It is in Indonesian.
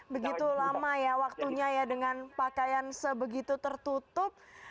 begitu lama ya waktunya ya dengan pakaian sebegitu tertutup